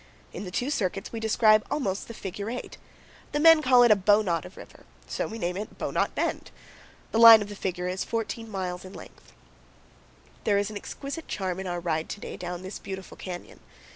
In the two circuits we describe almost the figure 8. The men call it a "bowknot" of river; so we name it Bowknot Bend. The line of the figure is 14 miles in length. There is an exquisite charm in our ride to day down this beautiful canyon.